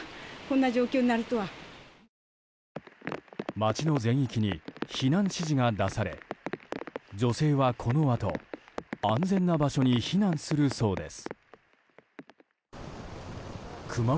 町の全域に避難指示が出され女性は、このあと安全な場所に避難するそうです。